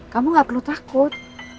kamu nggak perlu takut